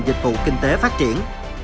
và dịch vụ kinh tế phát triển